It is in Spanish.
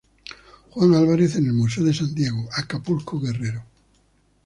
Juan Alvarez en el museo de San Diego, Acapulco Guerrero.